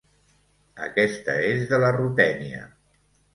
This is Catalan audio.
Aquesta és de la Rutènia.